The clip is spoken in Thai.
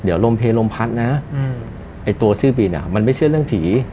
เดี๋ยวลมเพลลมพัดนะไอ้ตัวเสื้อบินมันไม่เชื่อเรื่องผี